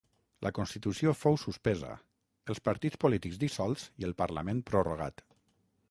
La constitució fou suspesa, els partits polítics dissolts i el parlament prorrogat.